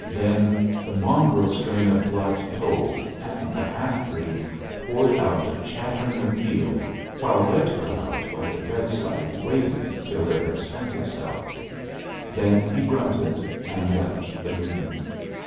Then the mongrel strain of blood told, and the half breed poured out a chattering appeal, while Red Cloud by the bedside waited till it had spent itself. Then he grunted, and left the room.